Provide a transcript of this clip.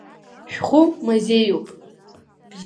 Шәхәы мазеиуп.